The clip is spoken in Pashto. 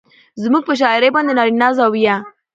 زموږ پر شاعرۍ باندې نارينه زاويه